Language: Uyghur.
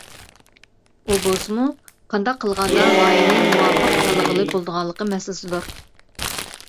ئۇ بولسىمۇ قانداق قىلغاندا غايىنى مۇۋاپىق تاللىغىلى بولىدىغانلىقى مەسىلىدۇر.